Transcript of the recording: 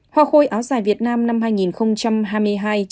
hoa khôi áo dài việt nam năm hai nghìn hai mươi hai